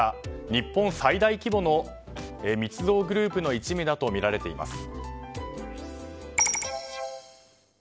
日本最大規模の密造グループの一味だとみられています。